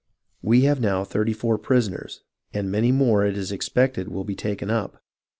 We have now thirty four prisoners, and many more it is expected will be taken up.